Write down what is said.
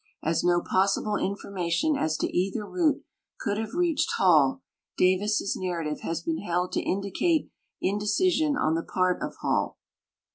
As no ])Ossil)le information as to either route could have reached Hall, Davis' narrative has been held to indicate indecision on the part of Hall.